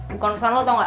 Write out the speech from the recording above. bukan pesan lo tau gak